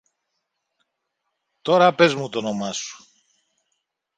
Τώρα πες μου τ' όνομα σου.